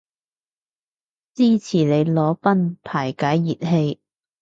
支持你裸奔排解熱氣